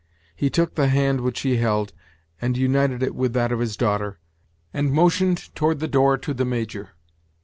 He took the hand which he held, and united it with that of his daughter, and motioned toward the door to the Major.